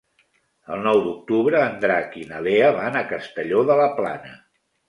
El nou d'octubre en Drac i na Lea van a Castelló de la Plana.